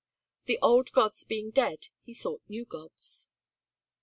The old gods being dead he sought new gods.